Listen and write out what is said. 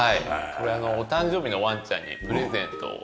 これはお誕生日のワンちゃんにプレゼントをさせて頂いて。